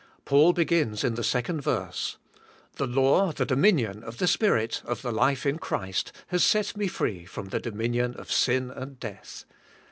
Paul begins in the second verse, the law, the dominion of the Spirit, of the life in Christ has set me free from the dominion of sin and death.